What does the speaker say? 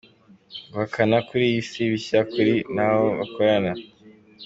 Guhakana ukuri si bishya kuri we n’abo bakorana.